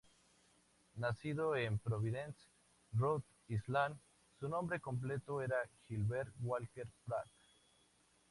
Nacido en Providence, Rhode Island, su nombre completo era Gilbert Walker Pratt.